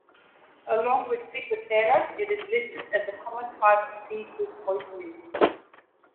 Along with ciguatera, it is listed as a common type of seafood poisoning.